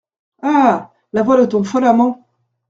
Ah ! la voix de ton fol amant !